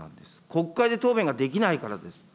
国会で答弁ができないからです。